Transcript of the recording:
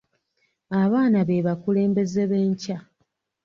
Abaana be bakulembeze b'enkya.